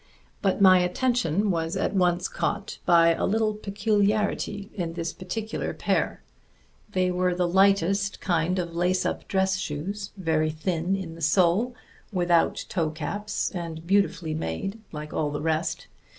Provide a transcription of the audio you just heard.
But my attention was at once caught by a little peculiarity in this particular pair. They were the lightest kind of lace up dress shoes, very thin in the sole, without toe caps, and beautifully made, like all the rest.